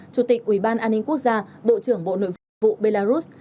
chủ tịch uban an ninh quốc gia bộ trưởng bộ nội vụ belarus